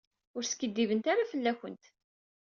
Ur skiddibent ara fell-akent.